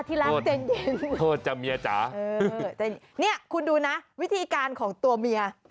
ที่รักเจ็ดเย็นโทษเจ้าเมียจ๋าเนี่ยคุณดูนะวิธีการของตัวเมีย